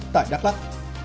tại đắk lắk